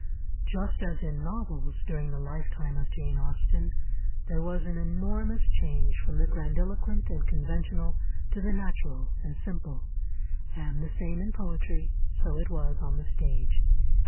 Just as in novels during the lifetime of Jane Austen, there was an enormous change from the grandiloquent and conventional, to the natural and simple, and the same in poetry, so it was on the stage.